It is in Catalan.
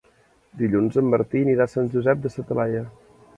Dilluns en Martí anirà a Sant Josep de sa Talaia.